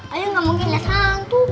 ayah gak mungkin lihat hantu